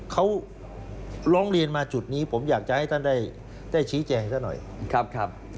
เขาล้องเรียนมาจุดนี้ผมอยากจะให้ท่านได้ชี้แจให้ท่านหน่อย